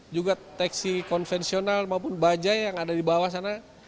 juga taksi konvensional maupun bajai yang ada di bawah sana